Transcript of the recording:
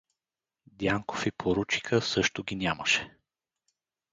Дянков и поручика също ги нямаше.